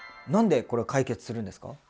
何でこれ解決するんですか？